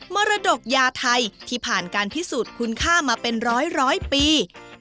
มรดกยาไทยที่ผ่านการพิสูจน์คุณค่ามาเป็นร้อยปี